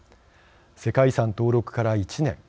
世界遺産登録から１年。